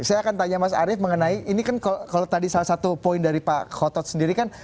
saya akan tanya mas arief mengenai ini kan kalau tadi salah satu poin dari pak khotot sendiri kan